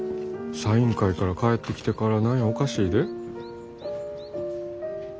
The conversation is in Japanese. サイン会から帰ってきてから何やおかしいで。